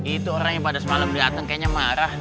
itu orang yang pada semalam dia ateng kayaknya marah